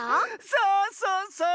そうそうそう。